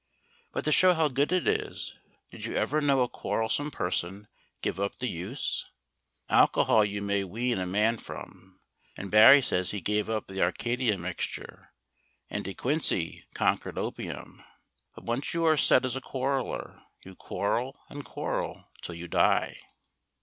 But to show how good it is did you ever know a quarrelsome person give up the use? Alcohol you may wean a man from, and Barrie says he gave up the Arcadia Mixture, and De Quincey conquered opium. But once you are set as a quarreller you quarrel and quarrel till you die.